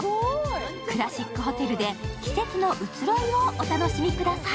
クラシックホテルで季節の移ろいをお楽しみください。